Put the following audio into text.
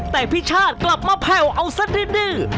แต่พี่ชาติกลับมาแผ่วเอาสักนิดหนึ่ง